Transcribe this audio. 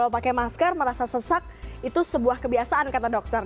pakai masker merasa sesak itu sebuah kebiasaan kata dokter